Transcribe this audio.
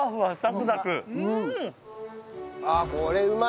あっこれうまいな。